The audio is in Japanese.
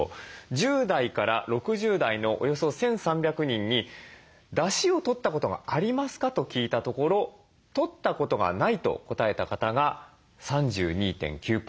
１０代から６０代のおよそ１，３００人に「だしをとったことがありますか？」と聞いたところ「とったことがない」と答えた方が３２．９％。